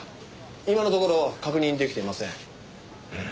今のところ確認できていません。